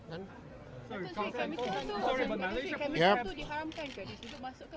kemisal itu diharamkan ke disitu